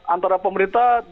antara pemerintah dan tbm juga